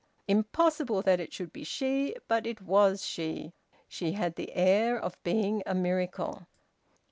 Impossible that it should be she! But it was she; she had the air of being a miracle.